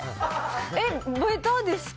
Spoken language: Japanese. えっ、べたですか？